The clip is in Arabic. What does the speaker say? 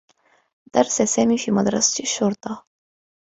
درس سامي في مدرسة الشّرطة.